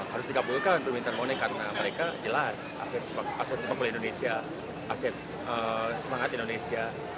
harus dikabulkan permintaan money karena mereka jelas aset sepak bola indonesia aset semangat indonesia